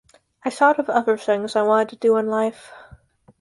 I thought of other things I wanted to do in life.